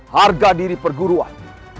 harga diri perguruan